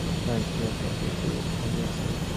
তাহার কী-এক অপরূপ পরিবর্তন হইয়াছে।